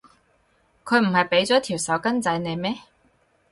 佢唔係畀咗條手巾仔你咩？